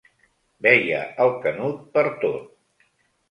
Veia el Canut pertot.